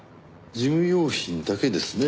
事務用品だけですね。